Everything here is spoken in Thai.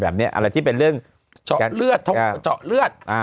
แบบนี้อันเลยคือเป็นเรื่องเจาะเลือด